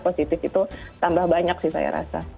tapi secara positif itu tambah banyak sih saya rasa